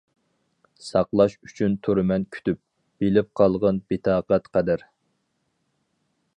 ساقلاش ئۈچۈن تۇرىمەن كۈتۈپ، بىلىپ قالغىن بىتاقەت قەدەر.